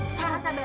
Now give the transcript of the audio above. tak tak tak